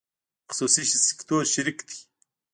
خصوصي سکتور شریک دی